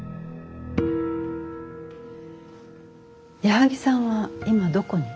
矢作さんは今どこに？